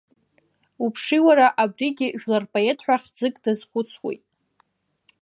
Уԥши, уара, абригьы жәлар рпоет ҳәа хьӡык дазхәыцуеит.